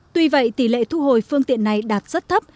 tuy vậy tỷ lệ thu hồi phương tiện này đạt rất thấp